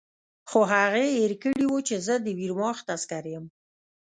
خو هغې هېر کړي وو چې زه د ویرماخت عسکر یم